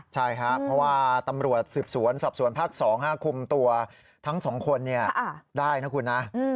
ใช่ครับเพราะว่าตำรวจสืบสวนสอบสวนภาค๒๕คุมตัวทั้ง๒คนได้นะคุณนะ